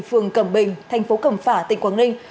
phường cẩm bình thành phố cẩm phả tỉnh quảng ninh